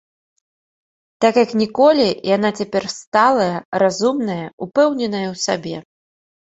Так, як ніколі, яна цяпер сталая, разумная, упэўненая ў сабе.